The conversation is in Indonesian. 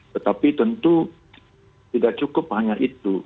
tetapi tentu tidak cukup hanya itu